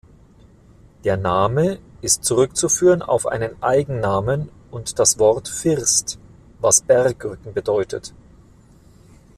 Der Name ist zurückzuführen auf einen Eigennamen und das Wort „First“, was Bergrücken bedeutet.